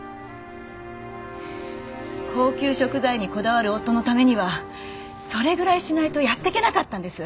高級食材にこだわる夫のためにはそれぐらいしないとやっていけなかったんです。